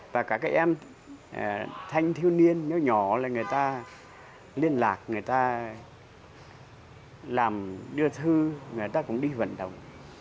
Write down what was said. và các em thanh thiếu niên nhỏ là người ta liên lạc người ta làm đưa thư người ta cũng đi vận động